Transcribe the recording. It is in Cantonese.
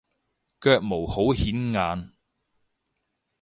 腳毛好顯眼